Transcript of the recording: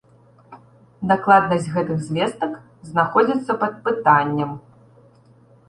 Дакладнасць гэтых звестак знаходзіцца пад пытаннем.